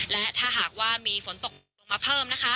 และถ้าหากว่ามีฝนตกลงมาเพิ่มนะคะ